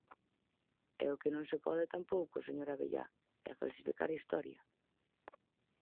E o que non se pode tampouco, señor Abellá, é falsificar a historia.